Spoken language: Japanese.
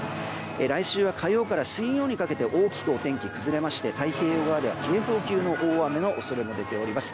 来週は火曜から水曜にかけて大きくお天気崩れまして太平洋側では警報級の大雨の恐れも出ています。